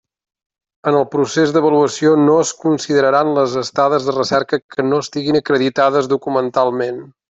En el procés d'avaluació no es consideraran les estades de recerca que no estiguin acreditades documentalment.